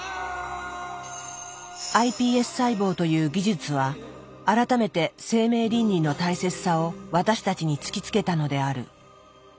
ｉＰＳ細胞という技術は改めて生命倫理の大切さを私たちに突きつけたのである。